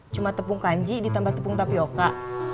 cuma tepung kanji ditambah tepung tapioca